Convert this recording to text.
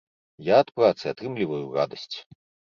Я ад працы атрымліваю радасць.